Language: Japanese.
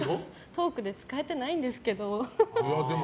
トークで使えてはないんですけど。